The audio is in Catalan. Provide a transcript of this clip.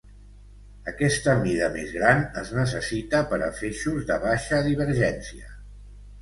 Aquesta mida més gran es necessita per a feixos de baixa divergència.